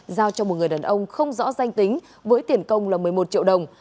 giao cho một người đàn ông không rõ danh tính với tiền công là một mươi một triệu đồng